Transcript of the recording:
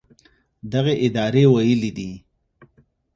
دغې ادارې ویلي دي